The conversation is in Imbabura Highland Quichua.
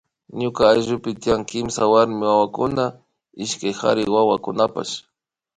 Ñuka ayllupi tian kimsa warmi wawakuna ishkay kari wawakunapash